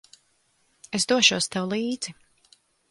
Es došos tev līdzi.